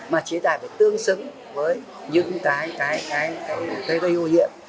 mà trí đài phải tương xứng với những cái cái cái cái cái cái hô nhiễm